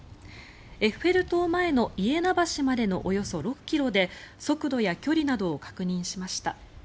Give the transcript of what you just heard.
エッフェル塔前のイエナ橋までのおよそ６ｋｍで速度や距離などを確認しました。